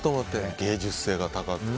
芸術性が高くて。